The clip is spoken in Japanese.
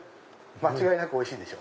間違いなくおいしいでしょ？